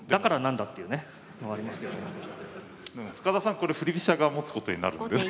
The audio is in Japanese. これ振り飛車側持つことになるのでね